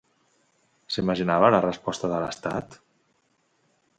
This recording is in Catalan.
S'imaginava la resposta de l'estat?